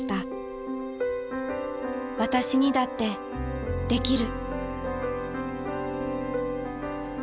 私にだってできる。